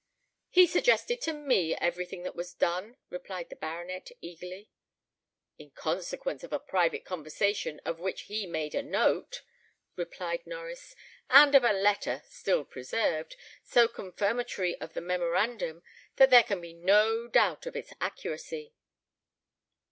"He suggested to me everything that was done," replied the baronet, eagerly. "In consequence of a private conversation, of which he made a note," rejoined Norries, "and of a letter, still preserved, so confirmatory of the memorandum, that there can be no doubt of its accuracy."